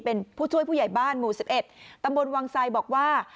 เป็นผู้ช่วยผู้ใหญ่บ้านหมู่๑๑ตำบลวังไซบอกว่า